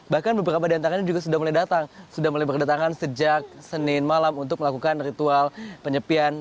bahkan beberapa diantaranya juga sudah mulai datang sudah mulai berdatangan sejak senin malam untuk melakukan ritual penyepian